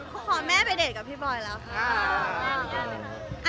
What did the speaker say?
ขอแม่ไปเดทกับพี่บอยแล้วค่ะ